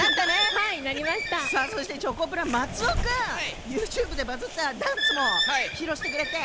チョコプラ松尾君ＹｏｕＴｕｂｅでバズったダンス披露してくれて。